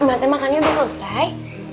emak teh makannya udah selesai